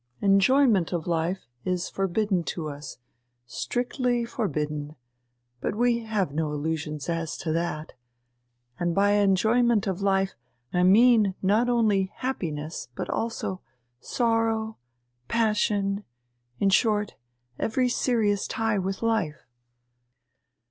Enjoyment of life is forbidden to us, strictly forbidden, we have no illusions as to that and by enjoyment of life I mean not only happiness, but also sorrow, passion, in short every serious tie with life.